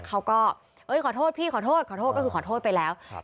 เขาก็เอ้ยขอโทษพี่ขอโทษขอโทษก็คือขอโทษไปแล้วครับ